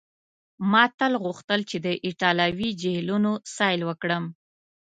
ما تل غوښتل چي د ایټالوي جهیلونو سیل وکړم.